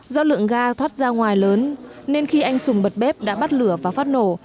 do lượng ga thoát ra ngoài lớn nên khi anh sùng bật bếp đã bắt lửa và phát nổ